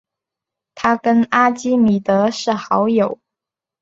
他跟阿基米德是好友。